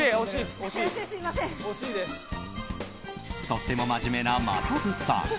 とっても真面目な真飛さん。